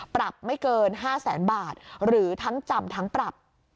ปรับไม่เกิน๕แสนบาทหรือทั้งจำทั้งปรับ